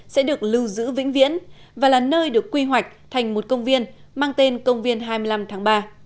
sẽ được lưu giữ vĩnh viễn và là nơi được quy hoạch thành một công viên mang tên công viên hai mươi năm tháng ba